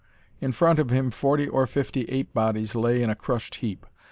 In front of him forty or fifty ape bodies lay in a crushed heap.